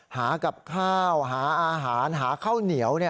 หากับข้าวหาอาหารหาข้าวเหนียว